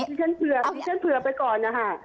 ดิฉันเผื่อดิฉันเผื่อไปก่อนนะคะ